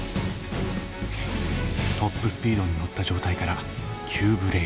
トップスピードに乗った状態から急ブレーキ。